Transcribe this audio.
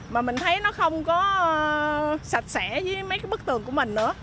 mà mình thấy nó không có sạch sẽ với mấy cái bức tường của mình nữa